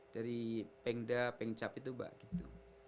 dari pemda pengcap itu mbak gitu